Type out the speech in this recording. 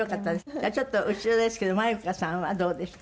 じゃあちょっと後ろですけどＭＡＹＵＫＡさんはどうでした？